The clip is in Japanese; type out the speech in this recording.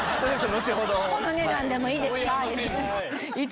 この値段でもいいですか？